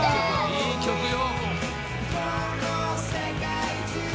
「いい曲よ」